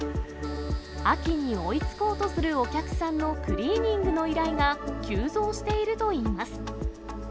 秋に追いつこうとするお客さんのクリーニングの依頼が急増しているといいます。